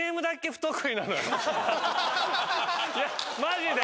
いやマジで。